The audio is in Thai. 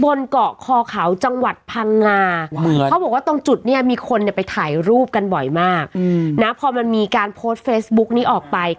บนเกาะคอเขาจังหวัดพังงาเขาบอกว่าตรงจุดเนี่ยมีคนเนี่ยไปถ่ายรูปกันบ่อยมากนะพอมันมีการโพสต์เฟซบุ๊กนี้ออกไป